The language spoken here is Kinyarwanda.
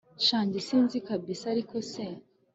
sha njye sinzi kabsa ariko se